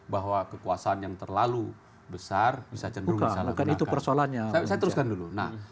bahwa kekuasaan yang terlalu besar bisa cenderung disalurkan itu persoalannya saya teruskan dulu nah